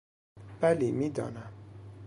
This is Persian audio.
بلی، میدانم.